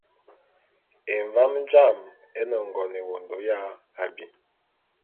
Emvám jām é ne ngon ewondo ya abi.